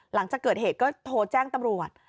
หลังจากเกิดเหตุก็โทรแจ้งตำรวจ